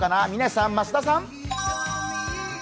嶺さん、増田さん。